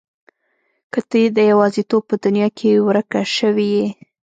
که ته د يوازيتوب په دنيا کې ورکه شوې يې.